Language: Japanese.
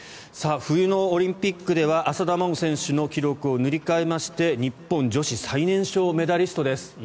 冬のオリンピックでは浅田真央選手の記録を塗り替えまして日本女子最年少メダリストです。